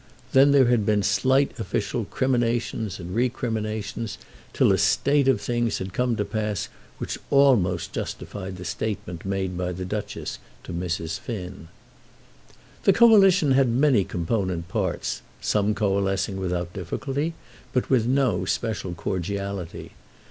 Then there had been slight official criminations and recriminations, till a state of things had come to pass which almost justified the statement made by the Duchess to Mrs. Finn. The Coalition had many component parts, some coalescing without difficulty, but with no special cordiality.